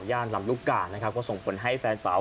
ย่านลำรุกานะครับก็ส่งผลให้แฟนสาว